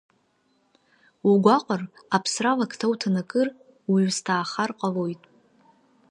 Угәаҟыр, аԥсра алакҭа уҭанакыр, уаҩысҭаахар ҟалоит.